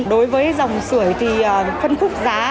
đối với dòng sửa thì phân khúc giá